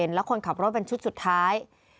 นายเวรแล้วคนขับรถเป็นชุดสุดท้าย